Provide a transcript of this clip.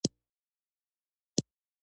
مایتوکاندري د حجرې لپاره انرژي تولیدوي